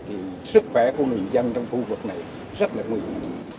thì sức khỏe của người dân trong khu vực này rất là nguy hiểm